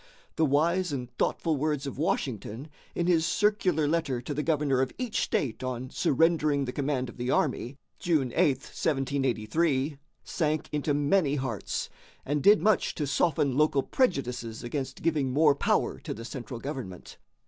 The wise and thoughtful words of Washington, in his circular letter to the governor of each state on surrendering the command of the army (June 8, 1783), sank into many hearts, and did much to soften local prejudices against giving more power to the central government.